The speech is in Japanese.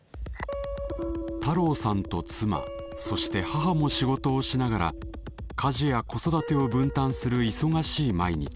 太郎さんと妻そして母も仕事をしながら家事や子育てを分担する忙しい毎日。